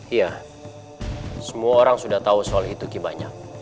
iya semua orang sudah tahu soal itu kibanyak